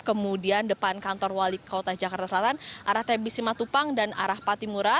kemudian depan kantor walik kota jakarta selatan arah tbs simatupang dan arah patimura